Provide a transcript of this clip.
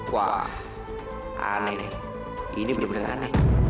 wah aneh ini beneran